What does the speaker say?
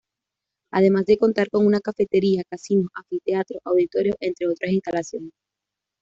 Además de contar con una cafetería, casino, anfiteatros, auditorios, entre otras instalaciones.